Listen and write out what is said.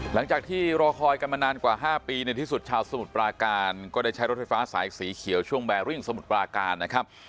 หลังจากที่รอคอยกันมานานกว่า๕ปีในที่สุดชาวสมุทรปราการก็ได้ใช้รถไฟฟ้าสายสีเขียวช่วงแบริ่งสมุทรปราการนะครับ